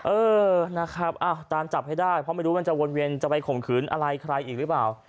เออนะครับตามจับให้ได้เพราะไม่รู้มันจะวนเวียนจะไปข่มขืนอะไรใครอีกหรือเปล่า